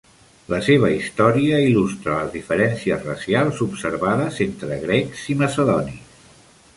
La seva historia il·lustra las diferències racials observades entre grecs i macedonis.